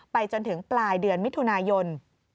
จนถึงปลายเดือนมิถุนายน